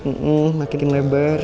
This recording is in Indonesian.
engek makin lebar